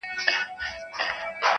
ما د ابا ساتلی کور غوښتی-